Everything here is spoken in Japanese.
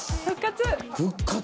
復活！